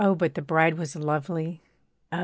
but the bride was lovely, Oh!